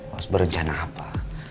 harus berencana apa